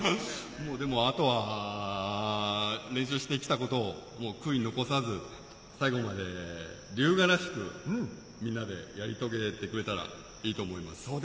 でも、あとは練習してきたことを、悔いを残さず最後まで龍芽らしく、みんなでやり遂げてくれたらいいと思います。